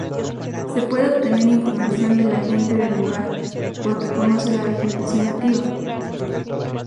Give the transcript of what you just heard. Se puede obtener información de la gente del lugar, porque conoce la vegetación nativa.